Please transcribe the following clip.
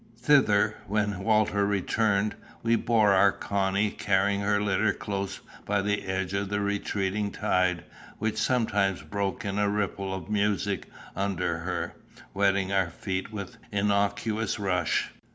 Thither, when Walter returned, we bore our Connie, carrying her litter close by the edge of the retreating tide, which sometimes broke in a ripple of music under her, wetting our feet with innocuous rush.